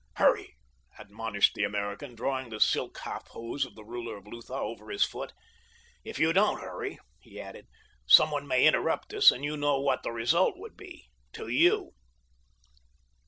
"Hurry!" admonished the American, drawing the silk half hose of the ruler of Lutha over his foot. "If you don't hurry," he added, "someone may interrupt us, and you know what the result would be—to you."